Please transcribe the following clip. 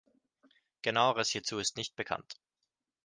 Genaueres hierzu ist nicht bekannt.